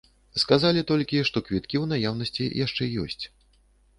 Сказалі толькі, што квіткі ў наяўнасці яшчэ ёсць.